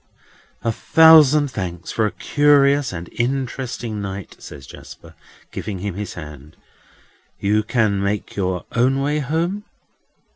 "A thousand thanks for a curious and interesting night," says Jasper, giving him his hand; "you can make your own way home?"